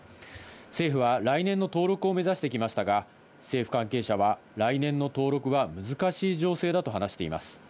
政府はこれまで来年の登録を目指してきましたが、政府関係者は来年の登録は難しい情勢だと話しています。